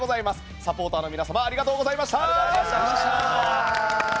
サポーターの皆様ありがとうございました。